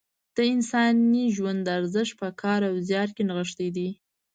د انساني ژوند ارزښت په کار او زیار کې نغښتی دی.